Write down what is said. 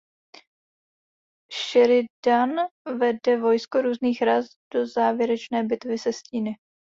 Sheridan vede vojsko různých ras do závěrečné bitvy se Stíny.